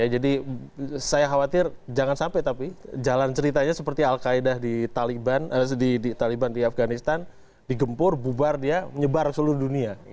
jadi saya khawatir jangan sampai tapi jalan ceritanya seperti al qaeda di taliban di afganistan digempur bubar dia menyebar seluruh dunia